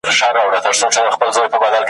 نیت او فکر دواړه هېر د آزادۍ سي ,